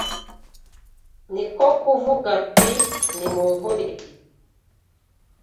Niko kuvuga ati: “Nimunkurikire.”